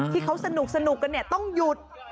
ที่เขาสนุกกันต้องหยุด